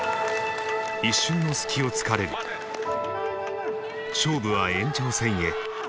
一瞬の隙をつかれる勝負は延長戦へ。